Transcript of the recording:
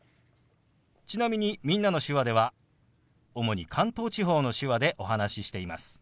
ちなみに「みんなの手話」では主に関東地方の手話でお話ししています。